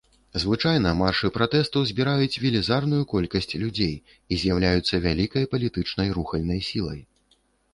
Звычайна маршы пратэсту збіраюць велізарную колькасць людзей і з'яўляюцца вялікай палітычнай рухальнай сілай.